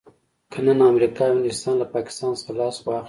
که نن امريکا او انګلستان له پاکستان څخه لاس واخلي.